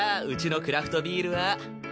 うちのクラフトビールは？